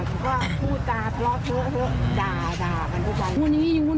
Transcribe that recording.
รู้สึกจานี่มองข้อรู้สึกจานนี่มองเหรอ